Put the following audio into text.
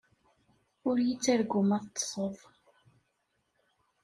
Ur yi-ttargu ma teṭṭseḍ.